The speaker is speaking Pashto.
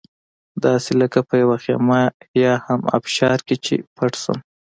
داسې لکه په یوه خېمه یا هم ابشار کې چې پټ شم.